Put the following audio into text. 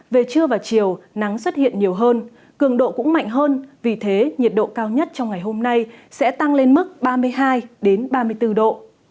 về trưa và chiều nắng xuất hiện nhiều hơn cường độ cũng mạnh hơn vì thế nhiệt độ cao nhất trong ngày hôm nay sẽ tăng lên mức ba mươi hai ba mươi bốn độ